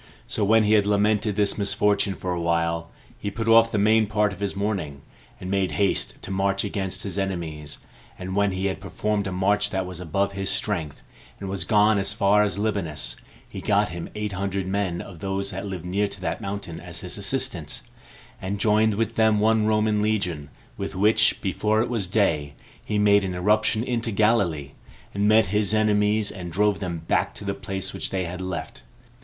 So when he had lamented this misfortune for a while, he put off the main part of his mourning, and made haste to march against his enemies; and when he had performed a march that was above his strength, and was gone as far as Libanus, he got him eight hundred men of those that lived near to that mountain as his assistants, and joined with them one Roman legion, with which, before it was day, he made an irruption into Galilee, and met his enemies, and drove them back to the place which they had left.